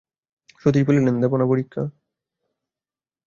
সতীশ বললেন, দেব না পরীক্ষা।